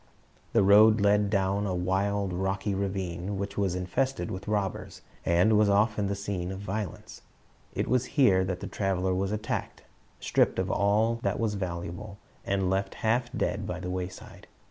The road led down a wild, rocky ravane, which was infested with robbers, and was often the scene of violence. It was here that the traveler was attacked, stripped of all that was valuable, and left half dead by the wayside.